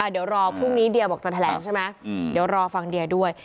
เดี๋ยวรอพรุ่งนี้เดียบอกจะแถลงใช่ไหมเดี๋ยวรอฟังเดียด้วย